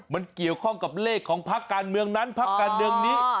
มันเกี่ยวข้องกับเลขของพักการเมืองนั้นพักการเมืองนี้